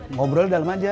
ngobrol dalam aja